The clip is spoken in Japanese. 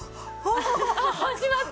始まった！